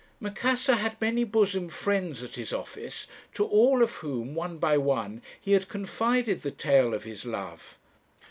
"Macassar had many bosom friends at his office, to all of whom, one by one, he had confided the tale of his love.